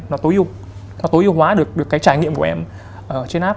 nó tối ưu nó tối ưu hóa được cái trải nghiệm của em ở trên app